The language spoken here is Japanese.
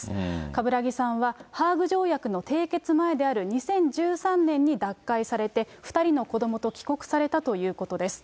冠木さんはハーグ条約の締結前である２０１３年に脱会されて、２人の子どもと帰国されたということです。